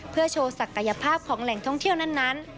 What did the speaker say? เพื่อโชว์ศักยภาพของแหล่งท่องเที่ยวนั้น